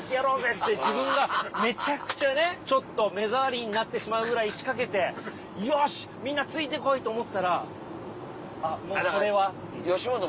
っつって自分がめちゃくちゃね目障りになってしまうぐらい仕掛けてよしみんなついてこい！と思ったら「あっもうそれは」っていう。